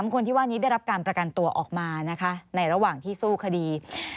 คนที่ว่านี้ได้รับการประกันตัวออกมานะคะในระหว่างที่สู้คดี